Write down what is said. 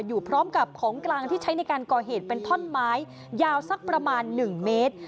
อยู่พร้อมกับของกลางที่ใช้ในการก่อเหตุเป็นท่อนไม้ยาวสักประมาณ๑เมตร